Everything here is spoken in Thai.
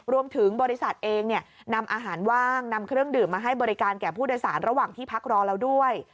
รวมถึงบริษัทเองนำอาหารว่างนำเครื่องดื่มมาให้บริการแก่ผู้โดยสารระหว่างที่พักรอเราด้วย